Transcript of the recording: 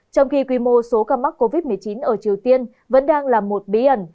trong khi quy mô số ca mắc covid một mươi chín ở triều tiên vẫn đang là một bí ẩn